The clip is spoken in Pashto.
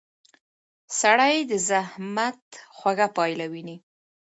سړی د زحمت خوږه پایله ویني